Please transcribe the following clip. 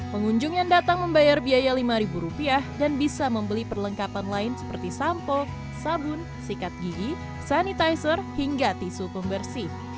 pengunjung yang datang membayar biaya lima rupiah dan bisa membeli perlengkapan lain seperti sampo sabun sikat gigi sanitizer hingga tisu pembersih